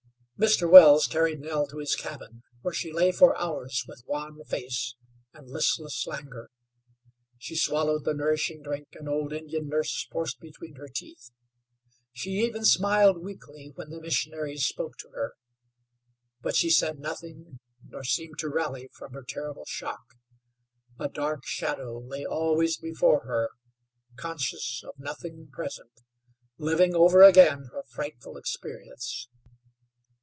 Mr. Wells carried Nell to his cabin where she lay for hours with wan face and listless languor. She swallowed the nourishing drink an old Indian nurse forced between her teeth; she even smiled weakly when the missionaries spoke to her; but she said nothing nor seemed to rally from her terrible shock. A dark shadow lay always before her, conscious of nothing present, living over again her frightful experience.